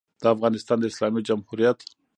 د افغانستان د اسلامي جمهوریت